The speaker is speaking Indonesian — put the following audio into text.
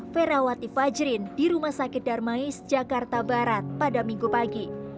ferawati fajrin di rumah sakit darmais jakarta barat pada minggu pagi